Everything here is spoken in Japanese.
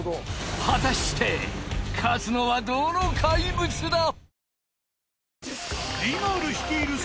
果たして勝つのはどの怪物だ！？